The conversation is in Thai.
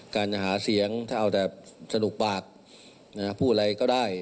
การจะหาเสียงถ้าเอาแต่สนุกปากพูดอะไรก็ได้